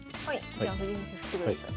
じゃあ藤井先生振ってください。